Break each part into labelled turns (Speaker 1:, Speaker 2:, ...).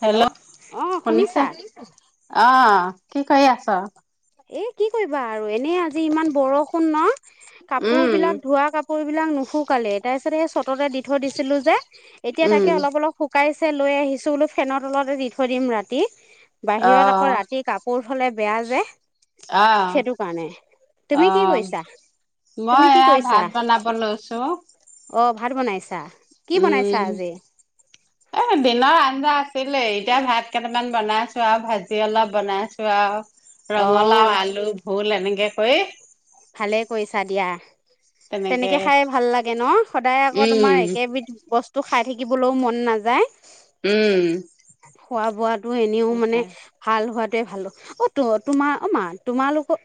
Speaker 1: Hello শুনিছা আহ কি খৈ আছা
Speaker 2: এ কি কৰি া আৰু এনেই আজি ইমান বৰষুণ ন কাপোৰ
Speaker 1: উম
Speaker 2: বিলাক ধোৱা কাপোৰ বিলাক নুশুকালে তাৰ পিছত সেই চততে দি থৈ দিছিলো যে এতিয়া
Speaker 1: উম
Speaker 2: তাকে অলপ অলপ শুকাই লৈ আহিছোঁ বোলো ফেনৰ তলতে দি থৈ দিম ৰাতি বাহিৰত
Speaker 1: আহ
Speaker 2: আকৌ ৰাতি কাপোৰ ফালে বেয়া যে
Speaker 1: আহ
Speaker 2: সেইটো কাৰণে তুমি কি
Speaker 1: আহ
Speaker 2: কৰিৈছা
Speaker 1: মই
Speaker 2: তুমি কি
Speaker 1: এয়া
Speaker 2: কৰিৈছা
Speaker 1: ভাত বনাব লৈছো
Speaker 2: অ ভাত বনাইছা কি
Speaker 1: উম
Speaker 2: বনাইছা আজি
Speaker 1: ছিলে এতিয়া ভাত কেইটামান বনাইছো আৰু ভাজি অলপ বনাইছো আৰু
Speaker 2: অ
Speaker 1: ৰঙালাও আলু ভোল এ এনেকে ক
Speaker 2: ভালে কৰিছা দিয়া তেনেকে খাই ভাল লাগে ন সদায় আকৌ তোমাৰ
Speaker 1: উম
Speaker 2: একেবিধ বস্তু খাই থাকিবলৈও মন নাযায়
Speaker 1: উম
Speaker 2: খোৱা বোৱাাতটো এনেও মানে
Speaker 1: তাকে
Speaker 2: ভাল হোৱা ভালো অ ত তোমাৰ অ মা তোমালোকৰ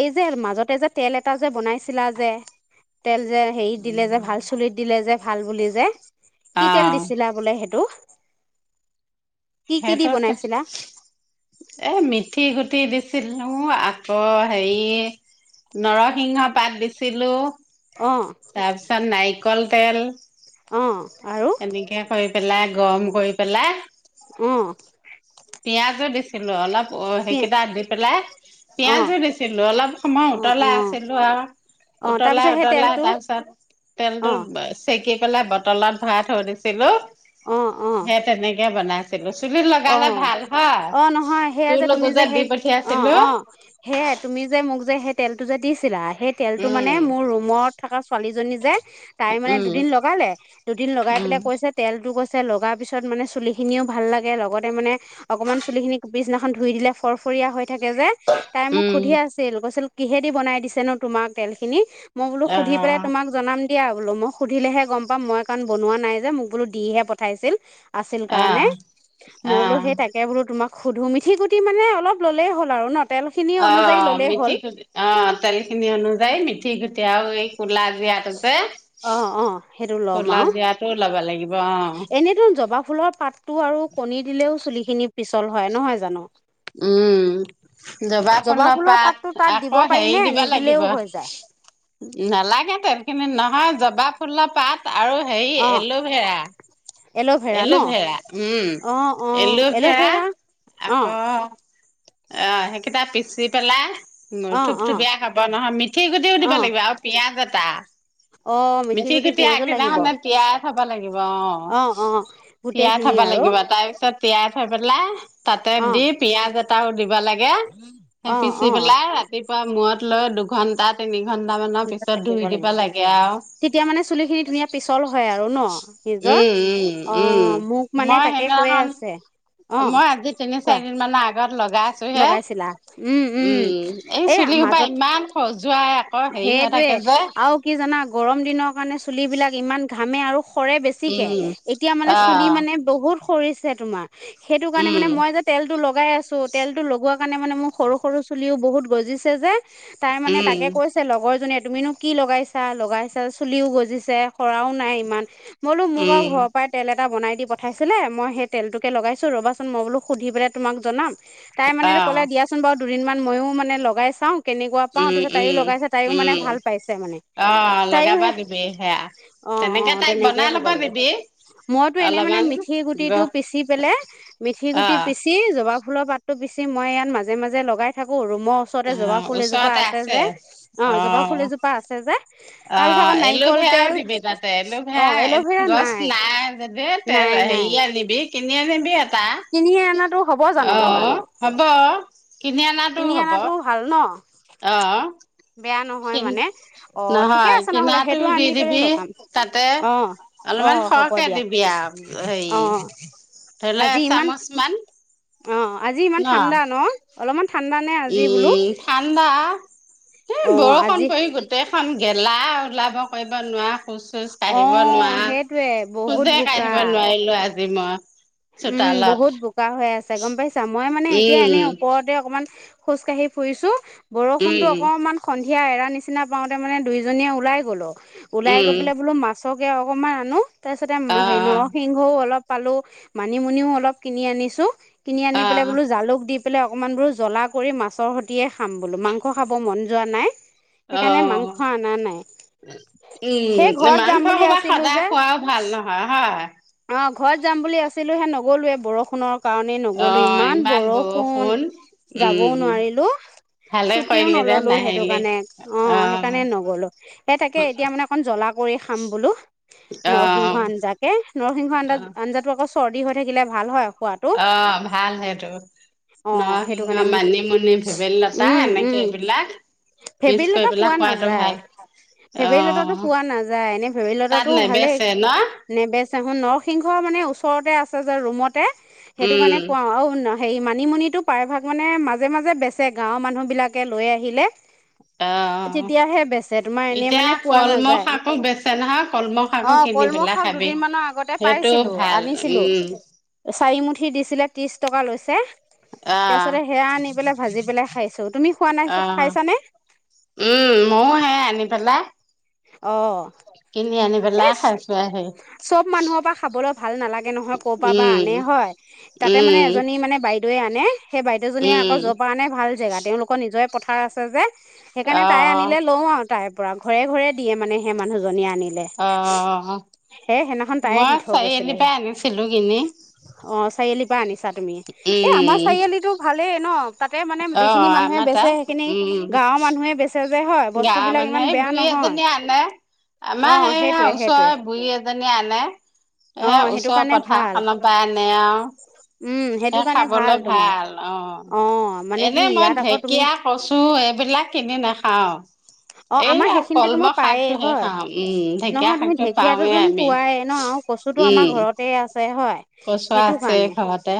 Speaker 2: এই যে মাজতে যে তেল এটা যে বনাইছিলা যে ো তেল যে হেৰি দিলে যে ভাল চুলিত দিলে যে ভাল বুলি যে
Speaker 1: অ
Speaker 2: কি তেল দিছিলা বোলে সেইটো কি কি দি
Speaker 1: সেইটোত
Speaker 2: বনাইছিলা
Speaker 1: এ মিঠি গুটি দিছিলো আকৌ হেৰি নৰসিংহ পাত দিছিলো
Speaker 2: অ
Speaker 1: তাৰপিছত নাইক কল তেল
Speaker 2: অ আৰু
Speaker 1: এনেকে কৰি পেলাই গৰম কৰি পেলাই
Speaker 2: অ
Speaker 1: পিয়াজো দিছিলো অলপ অ
Speaker 2: পি
Speaker 1: সেইকেইটা দি পেলাই
Speaker 2: অ
Speaker 1: পিয়াজো দিছিলো অলপ সময়
Speaker 2: অ অ
Speaker 1: উতলাই আছিলো আৰু
Speaker 2: অ
Speaker 1: উতলাই
Speaker 2: তাৰপিছত সেই
Speaker 1: উতলাই
Speaker 2: তেলটো
Speaker 1: তাৰপিছত তেলটো
Speaker 2: অ
Speaker 1: চেকি পেলাই বতলত ভৰাই থৈ দিছিলো
Speaker 2: অ অ
Speaker 1: সেই তেনেকে বনাইছ চুলিত লগালে
Speaker 2: অ অ নহয় সেয়য়া যে
Speaker 1: তোৰলোকো
Speaker 2: তুমি যে
Speaker 1: দি
Speaker 2: সেই অ
Speaker 1: পঠিয়াইছিলো
Speaker 2: অ সেয়াই তুমি যে মোক যে সেই তেলটো যে দিছিলা সেই তেলতটো মানে
Speaker 1: উম
Speaker 2: মোৰ ৰুমত থকা ছোৱালীজনী যে তাই মানে
Speaker 1: উম
Speaker 2: দুদিন লগালে দুদিন লগাই
Speaker 1: উম
Speaker 2: পেলাই কৈছে তেলটো কৈছে লগাৰ পিছত মানে চুলিখিনিও ভাল লাগে গে লগতে মানে অকমান চুলি খিনি পিছদিনাখন ধুই দিলে ফৰফৰিয়া হৈ থাকে যে তাই মোক
Speaker 1: উম
Speaker 2: সুধি আছিল কৈছিল কিহেদি বনাই দিছে নো তোমাক তেলখিনি মই বোলো
Speaker 1: অ
Speaker 2: সুধি পেলাই তোমাক জনাম দিয়া আৰু বোলো মই সুধিলেহে গম পাম মই কাৰণ বনোৱা নাই যে মোক বোলো দিহে পঠাইছিল আছিল
Speaker 1: অ
Speaker 2: কাৰণে মই বোলো
Speaker 1: অ
Speaker 2: সেই তাকে বোলো তোমাক সুধু মিঠি গুটি মানে অলপ ল'লেই হ'ল আৰু ন তেল খিনি
Speaker 1: অ
Speaker 2: অনুযায়ী ল'লেই হ'ল
Speaker 1: মিথি অ তেল খিনি অনুযায়ী মিথি গুটি আও কলা জিৰাটো যে
Speaker 2: অ অ
Speaker 1: কলা জিৰাটোও লব লাগিব অ
Speaker 2: এনেটো জবা ফুলৰ পাতটো আৰু কণী দিলেও চুলি খিনি পিছল হয় নহয় জানো
Speaker 1: উম জবা ফুলৰ
Speaker 2: পাতটো
Speaker 1: পাত
Speaker 2: তাত দিব
Speaker 1: আকৌ
Speaker 2: পাৰি নে
Speaker 1: হেৰি দিবা
Speaker 2: নিদিলেও
Speaker 1: লাগিব
Speaker 2: হৈ যায়
Speaker 1: নালাগে তেল খিনি ন হয় জবা ফুলৰ পাত আৰু হেৰি
Speaker 2: অ
Speaker 1: এল'ভেৰা
Speaker 2: এল'ভেৰা ন
Speaker 1: এলোভেৰা উম
Speaker 2: অ অ
Speaker 1: এলোভেৰা
Speaker 2: এল'ভেৰা অ
Speaker 1: আক অ সেইকেইটা পিচি পেলাই উ
Speaker 2: অ অ
Speaker 1: থুপথুপিয়ীয়া খাব নহয় মিথি গুটিও
Speaker 2: অ
Speaker 1: দিব লাগিব আৰু পিয়াজ এটা
Speaker 2: অ
Speaker 1: মিঠি গুটি
Speaker 2: পিয়াজো লাগিব
Speaker 1: আগদিনাখে তিয়াই থব লাগিব অ
Speaker 2: অ অ
Speaker 1: তিয়াই
Speaker 2: গোটেইখিনি
Speaker 1: থব
Speaker 2: আৰু
Speaker 1: লাগিব তাৰ পিছত তিয়াই থৈ পেলাই তাতে
Speaker 2: অ
Speaker 1: দি পিয়াজ এ তাউৰ দিবা লাগে। সেই
Speaker 2: অ
Speaker 1: পিচি
Speaker 2: অ
Speaker 1: পেলাই ৰাতিপুৱা মূৰত লৈ দুঘণ্টা তিনি ঘন্টা মানৰ পিছত
Speaker 2: থাকিব
Speaker 1: ধুই দিব
Speaker 2: লাগিব
Speaker 1: লাগে আৰু
Speaker 2: তেতিয়া মানে চুলি খিনি ধুনীয়া পিছল হয় আৰু ন। নিজৰ
Speaker 1: উম
Speaker 2: অ
Speaker 1: উম
Speaker 2: মোক
Speaker 1: উম
Speaker 2: মানে
Speaker 1: মই
Speaker 2: তাকে কৈ
Speaker 1: সেইদিনাখন
Speaker 2: আছে। অ'
Speaker 1: মই আজি তিনি
Speaker 2: কোৱা
Speaker 1: চাৰি দিন মানৰ আগত লগাইছো হে। উম, এই চুলি সোপা ইমান খজুৱাই। হেৰি হৈ থাকে যে
Speaker 2: সেইটোৱে আৰু কি জানা গৰম দিনত কাৰণে চুলিবিলাক ইমান ঘামে আৰু কৰে বেছিকে
Speaker 1: উম
Speaker 2: এতিয়া মানে
Speaker 1: অ
Speaker 2: চুলি মানে বহুত কৰিছে তোমাৰ। সেইটো কাৰণে
Speaker 1: উম
Speaker 2: মানে মই যে তেলটো লগাই আছো। তেলটো লগোৱা কাৰণে মানে মোৰ সৰু সৰু চুলিও বহুত গজিছে যে। তাই মানে
Speaker 1: উম
Speaker 2: তাকে লগৰজনীয়ে তুমিনো কি লগাইছা? লগাইছা, চুলিও গজিছে, সৰাও নাই ইমান। মইলো মোক আৰু
Speaker 1: উম
Speaker 2: ঘৰৰ পৰাই তেল এটা বনাই দিম পঠাইছিলে মই সেই তেলটোকে লগাইছোঁ ৰ'বাচোন মই বোলো সুধি পেলাই তোমাক জনাম। তাই মানে ক'লে
Speaker 1: অ
Speaker 2: দিয়াচোন বাৰু দুদিনমান মইয়ো মানে লগাই চাওঁ। কেনেকুৱা পাওঁ
Speaker 1: উম
Speaker 2: তাৰ পিছত তাই
Speaker 1: উম
Speaker 2: লগাইছে, তাইও মানে
Speaker 1: উম
Speaker 2: ভাল পাইছে মানে।
Speaker 1: অ
Speaker 2: তাইয়ো
Speaker 1: লগাবা
Speaker 2: হে
Speaker 1: দিবি সেয়া
Speaker 2: অ, অ
Speaker 1: তাইক
Speaker 2: তেনেকে
Speaker 1: বনাই
Speaker 2: কব
Speaker 1: ল'বা
Speaker 2: লাগিব।
Speaker 1: দিবি
Speaker 2: মইতো এনে মানে
Speaker 1: অলপমান
Speaker 2: মিঠি
Speaker 1: গ
Speaker 2: গুটিটো পিচি পেলে মিঠি
Speaker 1: অ
Speaker 2: গুটি পিচি জবা ফুলৰ পাত পিচি মই ইয়াত মাজে মাজে লগাই থাকো ৰু মোৰ ওচৰতে
Speaker 1: অ
Speaker 2: জবা ফুল এজোপা
Speaker 1: ওচৰতে
Speaker 2: আছ
Speaker 1: আছে
Speaker 2: যে অ জপা ফুল এজোপা আছে যে।
Speaker 1: অ,
Speaker 2: তাৰ পিছত আকৌ নাৰিকল
Speaker 1: এলোভেৰাও
Speaker 2: তেল
Speaker 1: দিবি তাতে।
Speaker 2: অ
Speaker 1: এলোভেৰা
Speaker 2: এল'ভেৰা
Speaker 1: এলোভেৰা গছ নাই যদি তে
Speaker 2: নাই
Speaker 1: হেৰি
Speaker 2: নাই
Speaker 1: আনিবি। কিনি আনিবি আ বা
Speaker 2: কিনি অনাটো হ'ব জানো
Speaker 1: অ
Speaker 2: লগালে
Speaker 1: হব।
Speaker 2: কিনি অনাটো ভাল ন? বেয়া
Speaker 1: অঅ।
Speaker 2: নহয় মানে অ ঠিকে
Speaker 1: নহয়
Speaker 2: আছে নহ'লে সেইটো
Speaker 1: কিনাটোও দি
Speaker 2: আনি পেলাই
Speaker 1: দিবি
Speaker 2: লগাম
Speaker 1: তাতে।
Speaker 2: অ অ
Speaker 1: অলপমান
Speaker 2: হ'ব
Speaker 1: সৰহকে
Speaker 2: দিয়া
Speaker 1: দিবি আৰু হেৰি
Speaker 2: অ
Speaker 1: ধৰি ল
Speaker 2: আজি ইমান
Speaker 1: এচামুচ মান।
Speaker 2: অ, আজি ইমান ঠাণ্ডা ন? অলপমান ঠাণ্ডা নে আজি বোলো?
Speaker 1: আম্বা। এ
Speaker 2: অ
Speaker 1: বৰষুণ
Speaker 2: আজি
Speaker 1: পৰি গোতেই থম গেলা ওলাব কৰিব নোৱাৰোঁ খোজ চোজ
Speaker 2: অ
Speaker 1: কাঢ়িব নোৱাৰ
Speaker 2: সেইটোৱে বহুত
Speaker 1: খোজে
Speaker 2: বোকা
Speaker 1: কাঢ়িব নোৱাৰিলো আজি মই।
Speaker 2: উম
Speaker 1: চোতালত
Speaker 2: বহুত বোকা হৈ আছে গম পাইছা মই মানে এতিয়া এনেই
Speaker 1: উম
Speaker 2: ওপৰতে অকমান। খোজ কাঢ়ি ফুৰিছো বৰষুণটো
Speaker 1: উম
Speaker 2: অকণমান খন- সেয়া এৰা নিচিনা পাওঁতে মানে দুইজনীয়ে ওলাই গ'লোঁ। ওলাই গৈ
Speaker 1: উম
Speaker 2: পেললে বোলো মা আছগে অকণমান আনো তাৰপিছতে
Speaker 1: অ
Speaker 2: হেৰি নৰসিংহও অলপ পালো মানিমুনিও অলপ কিনি আনিছো। কিনি আনি পেলাই বোলো
Speaker 1: অ
Speaker 2: জালুক দিম। অকনমান বোৰ জলা কৰি মাছৰ সৈতিয় খাম বোলো মাংস খাব মন যোৱা নাই।
Speaker 1: অ
Speaker 2: সেইকাৰণে মাংস অনা নাই সেই
Speaker 1: উম
Speaker 2: ঘৰত যাম
Speaker 1: মাংস
Speaker 2: বুলি
Speaker 1: সবা
Speaker 2: আছিলো
Speaker 1: সদায়
Speaker 2: যে
Speaker 1: খোৱাও ভাল নহয় হয়।
Speaker 2: অ ঘৰত যাম বুলি আছিলো হে নগলোৱে বৰষুণৰ কাৰণে নগলোঁ ইমান বৰষুণ যাবও
Speaker 1: উম
Speaker 2: নোৱাৰিলো
Speaker 1: ভালে
Speaker 2: চুটিও
Speaker 1: কৰিলি দে
Speaker 2: নল'লো সেইটো
Speaker 1: নাহিলি
Speaker 2: কাৰণে অ সেইকাৰণে নগলোঁ সেই তাকে এতিয়া মানে অকন জ্বলা কৰি খাম বোলো
Speaker 1: অ
Speaker 2: নৰসিংহ আঞ্জাকে। সিংহ আন্ডাত
Speaker 1: অ
Speaker 2: আঞ্জা আক চ- চৰ্দি হৈ থাকিলে ভাল হয়। খোৱাটো
Speaker 1: অ ভাল সেইটো
Speaker 2: অ সেইটো
Speaker 1: নৰসিংহ
Speaker 2: কাৰণে মোক
Speaker 1: মানিমুনি ভেবেলী লতা
Speaker 2: উম উম
Speaker 1: এনেকে এইবিলাক
Speaker 2: ভেবেলী
Speaker 1: মিক্স কৰি
Speaker 2: লতা
Speaker 1: পেলাই
Speaker 2: পোৱা
Speaker 1: খোৱাটো
Speaker 2: নাযায়
Speaker 1: ভাল ।অ
Speaker 2: ভেবেলী লতাটো পোৱা নাযায় এনে ভেবেলী
Speaker 1: তাত নেবেচে ন?
Speaker 2: নৰসিংহৰ মানে ওচৰতে আছে যে ৰুমত সেইটো
Speaker 1: উম,
Speaker 2: কাৰণে পোৱাও আৰু উ নয়- হেৰি মানিমুনিটো প্ৰায়ভাগ মানে মাজে মাজে বেচে গাঁওৰ মানুহ বিলাকে লৈ আহিলে।
Speaker 1: অ
Speaker 2: তেতিয়াহে বেচে তোমাৰ এনেই
Speaker 1: এতিয়া
Speaker 2: মানে পোৱা
Speaker 1: কলমৌ
Speaker 2: নাযায়
Speaker 1: শাকো বেচে নহয় কলমৌ শাকো কিনি পেলাই খাবি
Speaker 2: ন আগতে
Speaker 1: সেইটো
Speaker 2: পাইছিলোঁ
Speaker 1: ভাল
Speaker 2: আনিছিলোঁ
Speaker 1: উম,
Speaker 2: চাৰিমুঠি দিছিলে। ত্ৰিছ টকা লৈছে।
Speaker 1: আহ
Speaker 2: তাৰপিছতে সেয়া আনি পেলাই ভাজি পেলাই খাইছোঁ তুমি খোৱা নাই
Speaker 1: আহ
Speaker 2: খাইছানে
Speaker 1: উম ময় হে আনি পেলাই
Speaker 2: অ'
Speaker 1: কিনি আনিবেলা
Speaker 2: এই
Speaker 1: খাইছো আ হেৰি
Speaker 2: চব মানুহৰ পৰা খাবলৈ ভাল নালাগে নহয় ক'ৰ পৰা বা
Speaker 1: উম,
Speaker 2: আনে হয় তাতে মানে
Speaker 1: উম,
Speaker 2: এজনী মানে বাইদেউৱে আনে সেই বাইদেউজনীয়ে আকৌ
Speaker 1: উম,
Speaker 2: যৰ পৰা আনে ভাল জেগাত তেওঁলোকৰ নিজৰে পথাৰ আছে যে। সেইকাৰণে তাই
Speaker 1: অ',
Speaker 2: আনিলে লও আৰু তাই। পৰা ঘৰে ঘৰে দিয়ে মানে সেই মানুহজনী
Speaker 1: অ
Speaker 2: সেইদিনাখন তায়ে দি
Speaker 1: মই
Speaker 2: থৈ
Speaker 1: চাৰিআলি
Speaker 2: গৈছিলেহি
Speaker 1: পৰাাই আনিছিলো কিনি ।
Speaker 2: চাৰআলি পৰা আনিছাত তুমি এ আমাৰ চাৰিআলিতো ভালেই ন তাতে মানে
Speaker 1: অ
Speaker 2: যিখিনি মানুহে
Speaker 1: আমাৰ
Speaker 2: বেচে সেইখিনি গাঁৱৰ মানুহে বেচে যে হয়
Speaker 1: গাঁৱ
Speaker 2: বস্তুবিলাক ইমান
Speaker 1: মানুহে সেই
Speaker 2: বেয়া
Speaker 1: বুঢ়ী
Speaker 2: নহয়
Speaker 1: এজনী আনে
Speaker 2: অ
Speaker 1: আমাৰ সেই
Speaker 2: সেইটোৱে সেইটোৱে
Speaker 1: ওচৰে বুঢ়ী এজন জনী আনে
Speaker 2: অ
Speaker 1: স
Speaker 2: সেইটো
Speaker 1: ওচৰৰ
Speaker 2: কাৰণে
Speaker 1: পথাৰ
Speaker 2: ভাল
Speaker 1: খনৰ পৰা আনে আৰু ।
Speaker 2: উম
Speaker 1: স
Speaker 2: সেইটো কাৰণে
Speaker 1: খাবলৈ
Speaker 2: তোমাৰ
Speaker 1: ভাল অ
Speaker 2: মানে কি
Speaker 1: এনে মই
Speaker 2: ইয়াত আকৌ তুমি
Speaker 1: ঢেকীয়া কচু এইবিলাক কিনি নাখাও
Speaker 2: অ আমাৰ
Speaker 1: এইয়া
Speaker 2: সেইখিনিতে তোমাৰ
Speaker 1: কলমৌ
Speaker 2: পায়েই
Speaker 1: শাকটোহে
Speaker 2: হয়
Speaker 1: খাওঁ উম ঢেকীয়া
Speaker 2: নহয় তুমি
Speaker 1: শাকটো
Speaker 2: ঢেকীয়াটোো
Speaker 1: পাওঁৱেই
Speaker 2: তোন
Speaker 1: আমি
Speaker 2: পোৱাই ন কচুো আমাৰ
Speaker 1: উম
Speaker 2: ঘৰতে আছে হয়
Speaker 1: কচু
Speaker 2: সেইটো
Speaker 1: আছে
Speaker 2: কাৰণে
Speaker 1: ঘৰতে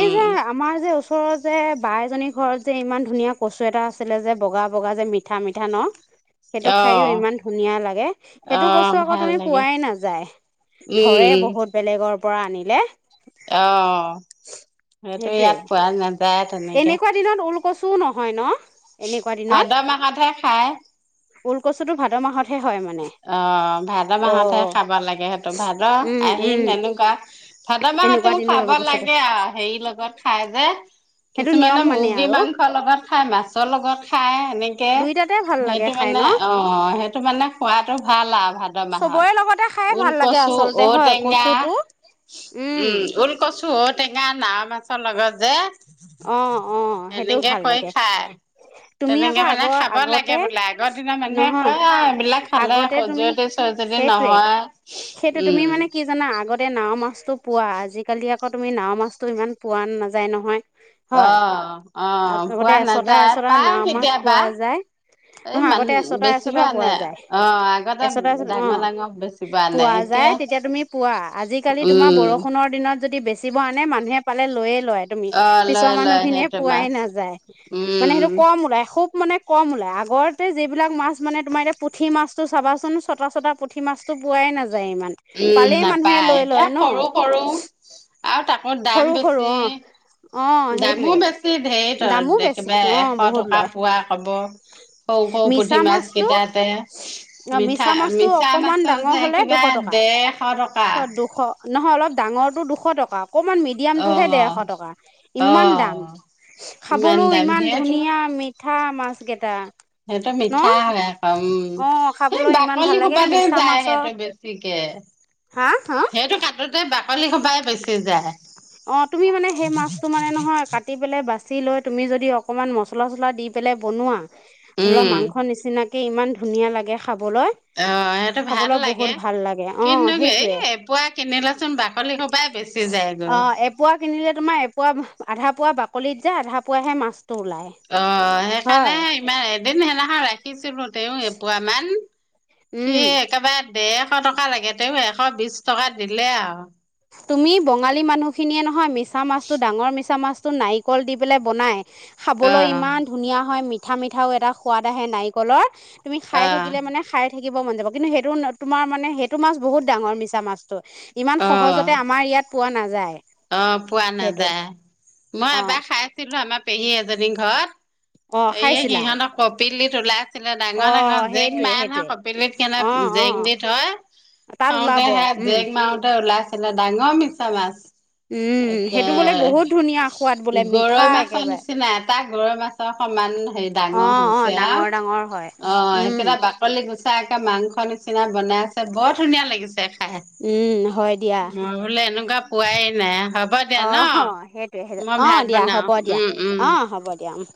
Speaker 2: এই যে আমাৰ যে ওচৰত যে বাই এজনী ঘৰত যে ইমান ধুনীয়া কচু এটা আছিলে যে বগা বগা যে মিঠা মিঠা ধান সেইটো
Speaker 1: অ
Speaker 2: খাইও ইমান ধুনীয়া লাগে
Speaker 1: অ
Speaker 2: সেইটো কছো আকৌ
Speaker 1: ভাল
Speaker 2: তুমি
Speaker 1: লাগে
Speaker 2: পোৱাই নাযায় ধৰে
Speaker 1: উম,
Speaker 2: বহুত বেলেগৰ পৰা আনিলে
Speaker 1: অ সেইটো
Speaker 2: সেইটোৱে
Speaker 1: ইয়াত পোৱা নাযায় তেনেকে।
Speaker 2: এনেকুৱা দিনত উল কচো নহয় ন এনেকুৱা
Speaker 1: ভাদ মাহতহে খাই
Speaker 2: ওকচু টো ভাদ মাহতহে হয় মানে
Speaker 1: অ ভাদ
Speaker 2: অ
Speaker 1: মাহতহে খাব লাগে সেইহটো ভাদ
Speaker 2: উম উম
Speaker 1: আহিল তেেনেকুৱা ভাদ
Speaker 2: এনেকুৱা
Speaker 1: মাহতেও
Speaker 2: দিনত
Speaker 1: খাব
Speaker 2: ওলকচুটো
Speaker 1: লাগে আৰু হেৰি লগত খাই যে
Speaker 2: সেইটো নিয়ম
Speaker 1: কিছুমানে
Speaker 2: মানে
Speaker 1: মুৰ্গী
Speaker 2: আৰু
Speaker 1: মাংসৰ লগত খাই মাছৰ লগত খাই এনেকে
Speaker 2: দুইটাতে ভাল লাগে
Speaker 1: সেইটো
Speaker 2: খাই ন
Speaker 1: মানে অ সেইটো মানে খাতটো ভাল লভ ভাদ মাহত
Speaker 2: চবৰে লগতে খাই ভাল লাগে
Speaker 1: ওলকচু
Speaker 2: আচলতে
Speaker 1: ঔ
Speaker 2: হয়
Speaker 1: টেঙা
Speaker 2: কচুটো
Speaker 1: উম ওলকচু চৌ টেঙা নাও মাছৰ লগত যে
Speaker 2: অ অ সেইটো
Speaker 1: এনেকে
Speaker 2: ভাল
Speaker 1: কৰি
Speaker 2: লাগে
Speaker 1: খাই
Speaker 2: তুমি
Speaker 1: তেনেকে
Speaker 2: আকৌ
Speaker 1: মানে
Speaker 2: আগৰ
Speaker 1: খাব লাগে
Speaker 2: আগতে
Speaker 1: বোলে আগৰ দিনৰ মানুহে
Speaker 2: নহয়
Speaker 1: কয় এইবিলাক ভালে
Speaker 2: আগতে তুমি
Speaker 1: সজুৱতি ছোৱজনী
Speaker 2: সেইটোৱে
Speaker 1: নহয়
Speaker 2: সেইটো তুমি
Speaker 1: উম
Speaker 2: মানে কি জানা আগতে নাও মাছটো পোৱা আজিকালি আকৌ তুমি নাৱও মাছটো ইমান পোৱা নাযায় নহয় হয়
Speaker 1: অ' অ'
Speaker 2: আগতে
Speaker 1: পোৱা
Speaker 2: এচটাা
Speaker 1: নাযায়
Speaker 2: এচটা
Speaker 1: পাই
Speaker 2: নাও মাছ
Speaker 1: কেতিয়াবা।
Speaker 2: পোৱা যায়
Speaker 1: এই
Speaker 2: নহয় আগতে
Speaker 1: মানুহ
Speaker 2: এচটাা
Speaker 1: বেচিব
Speaker 2: এচটাা পোৱা
Speaker 1: আনে
Speaker 2: যায়
Speaker 1: অ' আগতে
Speaker 2: এচটা এচ অ
Speaker 1: ডাঙৰ ডাঙৰ বেচিব আনে
Speaker 2: পোৱা যায়
Speaker 1: এতিয়া
Speaker 2: তেতিয়া তুমি পোৱা আজিকালি তোমাৰ
Speaker 1: উম
Speaker 2: বৰষুণৰ দিনত যদি বেছি বেচিব আনে মানুহে পালে লৈয়ে লয় তুমি
Speaker 1: অ'
Speaker 2: পিছৰ
Speaker 1: লয়
Speaker 2: মানুহ
Speaker 1: লয়
Speaker 2: খিনিয়ে
Speaker 1: সেইটো
Speaker 2: পোৱাই
Speaker 1: মাছ।
Speaker 2: নাযায় মানে
Speaker 1: উম
Speaker 2: সেইটো কম ওলাই খুব মানে মানে কম ওলাই আগতে যিবিলাক মাছ মানে তোমাৰ এতিয়া পুঠি মাছটো চাবাচোন চটা চটা পুঠি মাছটো পোৱাই নাযায় ইমান
Speaker 1: উম
Speaker 2: পালেই মানুহে
Speaker 1: নাপায়
Speaker 2: লৈ
Speaker 1: এতিয়া
Speaker 2: লয় নহঁ
Speaker 1: সৰু সৰু আৰু তাকৰ দাম বেছি।
Speaker 2: অ সেইটোৱে
Speaker 1: দামো বেছি দে সেই ত
Speaker 2: দামো বেছি অ
Speaker 1: একেবাৰে এশ
Speaker 2: বহুত
Speaker 1: টকা
Speaker 2: লয়
Speaker 1: পোৱা কব সৰু সৰু
Speaker 2: মিছা
Speaker 1: পুঠি মাছ
Speaker 2: মাছটো
Speaker 1: কেইটাতে
Speaker 2: অ
Speaker 1: মিঠা
Speaker 2: মিছা মাছটো
Speaker 1: মিছা
Speaker 2: অকমান
Speaker 1: মাছৰ
Speaker 2: ডাঙৰ
Speaker 1: যে
Speaker 2: হলে
Speaker 1: কিবা
Speaker 2: দুশ টকা
Speaker 1: দেৰশ টকা।
Speaker 2: দুশ নহয় অলপ ডাঙৰটো দুশ টকা অকণমান
Speaker 1: অ
Speaker 2: মিডিয়ামটোহে ডেৰশ টকা
Speaker 1: অ
Speaker 2: ইমান দামঁ। খাবলৈও
Speaker 1: দাম
Speaker 2: ইমান
Speaker 1: সেইটো
Speaker 2: ধুনীয়া মি থা মাছকেইটা
Speaker 1: সেইটো মিঠা হয় আক
Speaker 2: অ
Speaker 1: এই
Speaker 2: খাবলৈ ইমান
Speaker 1: বাকলি
Speaker 2: ভাল লাগে
Speaker 1: সোপাতে
Speaker 2: মিছা
Speaker 1: যায়
Speaker 2: মাছৰ
Speaker 1: সেইটো বেছিকে
Speaker 2: হা হা
Speaker 1: সেইটো কাতত গোটেই বাকঁলি সোপাই বেচি যায়।
Speaker 2: অ', তুমি মানে সেই মাছটো মানে নহয় কাটি পেলাই বাচি বাঁচি লৈ তুমি যদি অকণমান মছলা চছলা দি পেলাই বনোৱা ধৰি লওক
Speaker 1: উম
Speaker 2: মাংস নিচিনাকে তাকে ইমান ধুনীয়া লাগে খাবলৈ
Speaker 1: অ সেইটো ভাল
Speaker 2: খাবলৈ
Speaker 1: লাগে
Speaker 2: বহুত ভাল লাগে অ
Speaker 1: কিন্তু হে
Speaker 2: সেইটোৱে
Speaker 1: এ পোৱা কিনিলেচোন বাকলি সোপাই বেছি যায়। গৈ
Speaker 2: অ এপোৱা কিনিলে তোমাৰ এ পোৱা আধা পোৱা বাকলিত যায় আধা পোৱাহে মাছ
Speaker 1: অ সেইকাৰণেহে ইমান এদিন হেদিনাখন [unintelligible] শিকিছিলো তেওঁ এপুৱা মান
Speaker 2: উম
Speaker 1: সি একেবাৰে দেৰশ টকা লাগে তেওঁ এশ বিশ টকা দিলে আৰু ।
Speaker 2: তুমি বঙালী মানুহখিনিয়ে নহয় মিছা মাছটো ডাঙৰ মিছা মাছ নাৰিকল দি পেলাই বনায়
Speaker 1: অ
Speaker 2: খাবলৈ ইমান ধুনীয়া হয় মিঠা পিঠা মিঠাও এটা সোৱাদ আহে নাৰিকলৰ তুমি খাই
Speaker 1: অ
Speaker 2: থাকিলে মানে খাই থাকিব মন যাব কিন্তু সেটো তোমাৰ মানে সেইটো মাছ বহুত ডাঙৰ মিছা মাছ। ইমান সহজতে আমাৰ ইয়াত পোৱা নাযায়।
Speaker 1: অঁ পোৱা
Speaker 2: সেইটো
Speaker 1: নাযায়, মই
Speaker 2: অ
Speaker 1: এবাৰ খাইছিলো আমাৰ পেহী এজনী
Speaker 2: অ
Speaker 1: ঘৰত। এইয়া
Speaker 2: খাইছিলা
Speaker 1: সিহঁতক [unintelligible] ছিলে
Speaker 2: অ
Speaker 1: ডাঙৰ ডাঙৰ জেং
Speaker 2: সেইটোৱে
Speaker 1: মাৰে নহয়
Speaker 2: সেইটোৱে
Speaker 1: কপিলিত কেনে
Speaker 2: অ অ
Speaker 1: জেং দি থয়,
Speaker 2: তাত
Speaker 1: থওতে
Speaker 2: ওলাব
Speaker 1: সেই
Speaker 2: উম
Speaker 1: জেং মাৰোতে ওলাই [unintelligible] ডাঙৰ মিছা মাছ।
Speaker 2: উম
Speaker 1: একে
Speaker 2: সেইটো বোলে বহুত ধুনীয়া সোৱাদ বোলে মিঠা
Speaker 1: গৰৈ মাছৰ
Speaker 2: একেবাৰে
Speaker 1: নিচিনা এটা গৰৈ মাছ অকমান হেৰি
Speaker 2: অ
Speaker 1: ডাঙৰ
Speaker 2: অ
Speaker 1: হৈছে আও,
Speaker 2: ডাঙৰ ডাঙৰ হয়
Speaker 1: অ
Speaker 2: উম
Speaker 1: সেইকেইটা বাকলি সচাকৈ মাংস নিচিনা বনাই আছে, বৰ ধুনীয়া লাগিছে। খাই
Speaker 2: উম হয় দিয়া,
Speaker 1: মই বোলে এনেকুৱা পোৱাই নাই হ'ব দিয়া
Speaker 2: অ'
Speaker 1: ন
Speaker 2: সেইটোৱে- সেইটোৱে,
Speaker 1: মই
Speaker 2: অ
Speaker 1: ভাত
Speaker 2: দিয়া
Speaker 1: বনাও
Speaker 2: হ'ব দিয়া
Speaker 1: উম উম
Speaker 2: অ হ'ব দিয়া উম্।